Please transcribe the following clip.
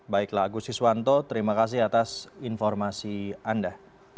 baiklah agus iswanto terima kasih atas informasi anda